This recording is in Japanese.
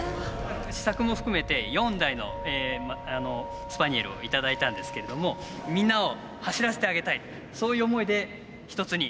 試作も含めて４台のスパニエルを頂いたんですけれどもみんなを走らせてあげたいそういう思いで一つに。